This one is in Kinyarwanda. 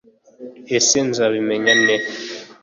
ese nzabimenya nte